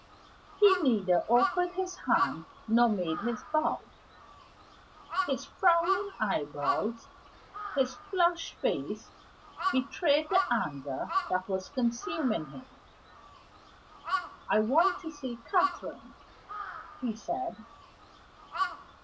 He neither offered his hand nor made his bow. His frowning eyebrows, his flushed face, betrayed the anger that was consuming him. "I want to see Catherine," he said.